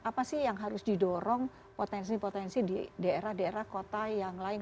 apa sih yang harus didorong potensi potensi di daerah daerah kota yang lain